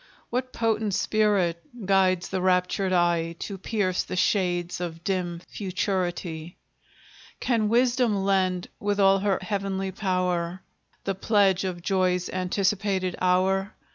What potent spirit guides the raptured eye To pierce the shades of dim futurity? Can Wisdom lend, with all her heavenly power, The pledge of Joy's anticipated hour?